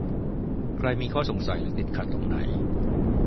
ใครมีข้อสงสัย หรือติดขัดตรงไหน